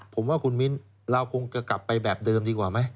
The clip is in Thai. ผมว่าคุณมิ้นเราคงจะกลับไปแบบเดิมดีกว่าไหม